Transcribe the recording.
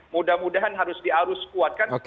mudah mudahan harus diarus kuatkan